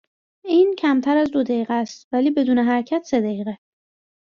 این کمتر از دو دقیقه اس ولی بدون حرکت سه دقیقه